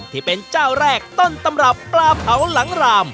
ที่เป็นเจ้าแรกต้นตำรับปลาเผาหลังราม